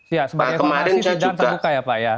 ya sebenarnya kemarin sidang terbuka ya pak